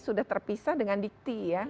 sudah terpisah dengan dikti ya